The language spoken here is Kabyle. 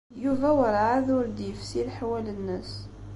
Yuba werɛad ur d-yefsi leḥwal-nnes.